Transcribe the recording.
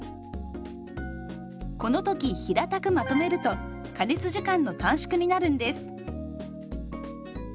この時平たくまとめると加熱時間の短縮になるんです。